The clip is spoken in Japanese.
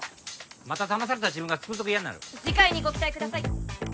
まただまされた自分がつくづく嫌になる次回にご期待ください